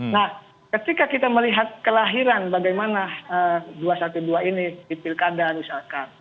nah ketika kita melihat kelahiran bagaimana dua ratus dua belas ini di pilkada misalkan